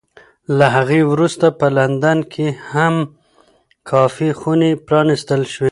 له هغې وروسته په لندن کې هم کافي خونې پرانېستل شوې.